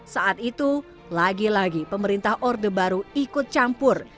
saat itu lagi lagi pemerintah orde baru ikut campur